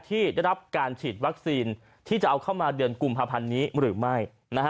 ที่ได้รับการฉีดวัคซีนที่จะเอาเข้ามาเดือนกุมภาพันธ์นี้หรือไม่